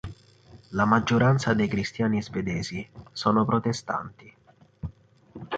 La maggioranza dei cristiani svedesi sono protestanti.